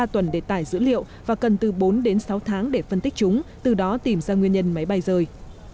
ba tuần để tải dữ liệu và cần từ bốn đến sáu tháng để phân tích chúng từ đó tìm ra nguyên nhân máy bay rơi